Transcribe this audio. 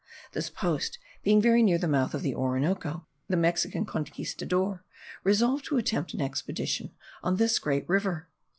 This post being very near the mouth of the Orinoco, the Mexican Conquistador resolved to attempt an expedition on this great river.